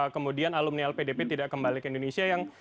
kemudian alumni lpdp tidak kembali ke indonesia yang